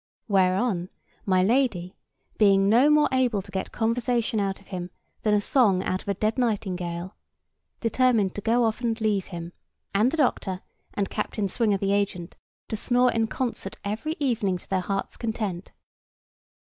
Whereon My Lady, being no more able to get conversation out of him than a song out of a dead nightingale, determined to go off and leave him, and the doctor, and Captain Swinger the agent, to snore in concert every evening to their hearts' content.